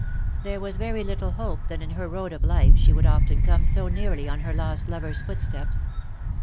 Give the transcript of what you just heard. There was very little hope that in her road of life she would often come so nearly on her lost lover's footsteps.